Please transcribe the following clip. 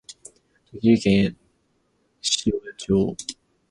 栃木県塩谷町